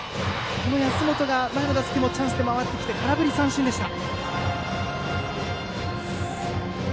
この安本が前の打席もチャンスで回ってきて空振り三振でした。